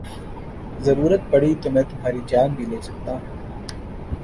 ضرورت پڑی تو میں تمہاری جان بھی لے سکتا ہوں